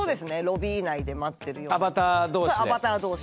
ロビー内で待ってるような。